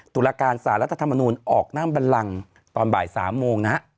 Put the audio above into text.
ตุลาการสารรัฐธรรมนูลออกนั่งบันลังตอนบ่าย๓โมงนะฮะ